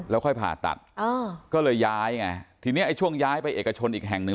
แล้วค่อยผ่าตัดก็เลยย้ายไงทีนี้ไอ้ช่วงย้ายไปเอกชนอีกแห่งหนึ่ง